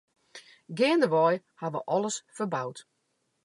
Geandewei ha we alles ferboud.